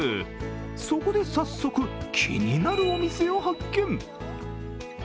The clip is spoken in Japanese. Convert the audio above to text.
そこで早速、気になるお店を発見。